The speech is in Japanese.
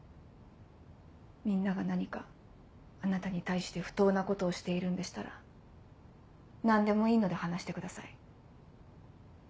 みんなが何かあなたに対して不当なことをしているんでしたら何でもいいので話してください。